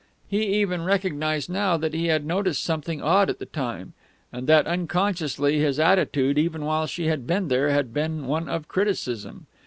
He even recognised now that he had noticed something odd at the time, and that unconsciously his attitude, even while she had been there, had been one of criticism.